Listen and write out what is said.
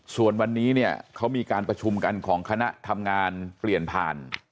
ส่วนวันนี้เนี่ยเขามีการประชุมกันของคณะทำงานเปลี่ยนผ่าน